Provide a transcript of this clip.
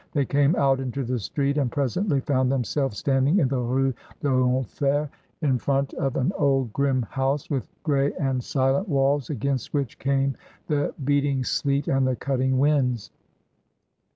They came out into the street, and presently found themselves standing in the Rue d'Enfer in front of an old grim house, with grey and silent 1 88 MRS. DYMOND. walls, against which came the beating sleet and the cutting winds.